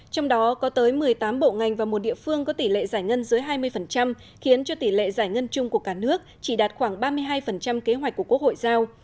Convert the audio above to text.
trong đó có tới một mươi tám bộ ngành và một địa phương có tỷ lệ giải ngân dưới hai mươi khiến cho tỷ lệ giải ngân chung của cả nước chỉ đạt khoảng ba mươi hai kế hoạch của quốc hội giao